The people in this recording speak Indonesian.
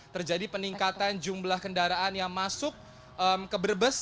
terjadi peningkatan jumlah kendaraan yang masuk ke brebes